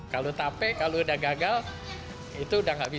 kalau tape kalau udah gagal itu udah nggak bisa